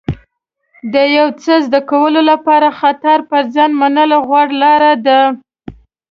د یو څه زده کولو لپاره خطر په ځان منل غوره لاره ده.